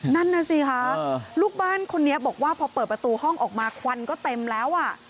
นั่นน่ะสิคะลูกบ้านคนนี้บอกว่าพอเปิดประตูห้องออกมาควันก็เต็มแล้วอ่ะ